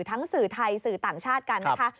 สื่อไทยสื่อต่างชาติกันนะคะ